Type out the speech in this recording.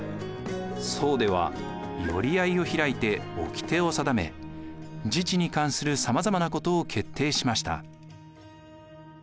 惣では寄合を開いておきてを定め自治に関するさまざまなことを決定しました。